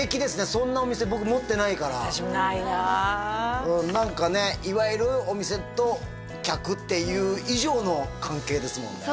そんなお店僕持ってないから私もないなあ何かねいわゆるお店と客っていう以上の関係ですもんね